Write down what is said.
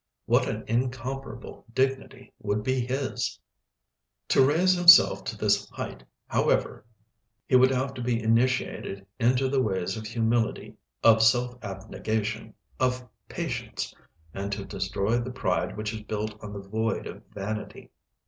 What an incomparable dignity would be his! To raise himself to this height, however, he would have to be initiated into the ways of humility, of self abnegation, of patience; and to destroy the pride which is built on the void of vanity.